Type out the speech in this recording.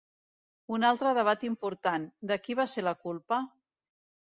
Un altre debat important: de qui va ser la culpa?